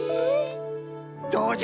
どうじゃ？